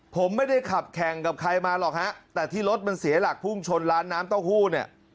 ผมไม่ได้ขับแข่งกับใครมาหรอกฮะแต่ที่รถมันเสียหลักพุ่งชนร้านน้ำเต้าหู้เนี่ย